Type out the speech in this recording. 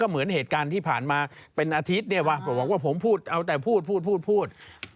ไม่ได้ว่าบอกว่าผมพูดเอาแต่พูด